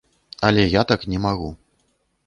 Але я так не магу.